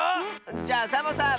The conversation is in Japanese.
じゃあサボさん。